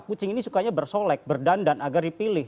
kucing ini sukanya bersolek berdandan agar dipilih